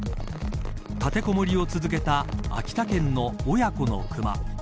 立てこもりを続けた秋田県の親子の熊。